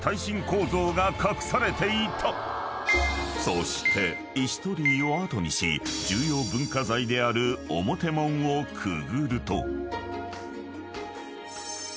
［そして石鳥居を後にし重要文化財である表門をくぐると］